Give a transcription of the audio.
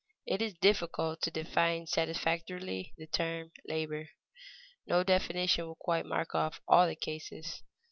_ It is difficult to define satisfactorily the term labor. No definition will quite mark off all the cases.